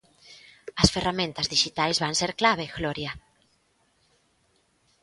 As ferramentas dixitais van ser clave, Gloria.